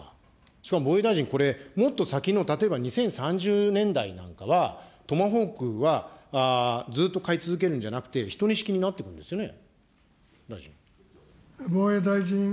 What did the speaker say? しかも防衛大臣、これ、もっと先の例えば２０３０年代なんかはトマホークはずっと買い続けるんじゃなくて、１２式になっていくんですよね、大臣。